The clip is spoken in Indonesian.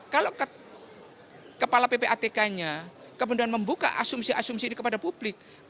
kalau kepala ppatk nya kemudian membuka asumsi asumsi ini kepada publik